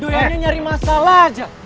doanya nyari masalah aja